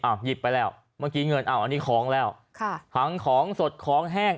หยิบไปแล้วเมื่อกี้เงินอ้าวอันนี้ของแล้วค่ะผังของสดของแห้ง